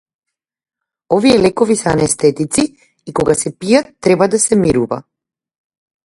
Овие лекови се анестетици и кога се пијат треба да се мирува.